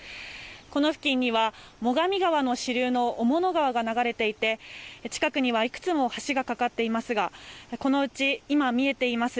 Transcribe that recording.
この付近には最上川の支流の鬼面川が流れていて近くにはいくつも橋が架かっていますがこのうち今見えています